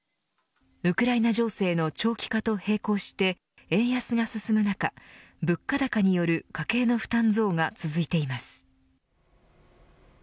ウクライナ情勢の長期化と並行して円安が進む中物価高による家計の負担増が続いています。